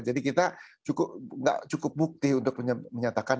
jadi kita nggak cukup bukti untuk menyatakan